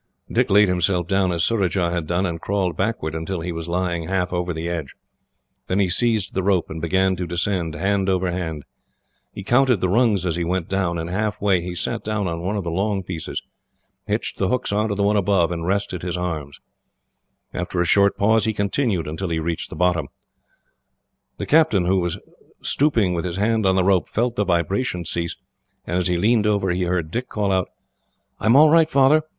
Dick laid himself down as Surajah had done, and crawled backwards until he was lying half over the edge. Then he seized the rope and began to descend, hand over hand. He counted the rungs as he went down, and half way he sat down on one of the long pieces, hitched the hooks on to the one above, and rested his arms. After a short pause, he continued until he reached the bottom. The captain, who was stooping with his hand on the rope, felt the vibration cease, and as he leaned over he heard Dick call out: "I am all right, Father.